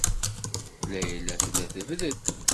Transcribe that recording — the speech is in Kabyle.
Layla tella tebded.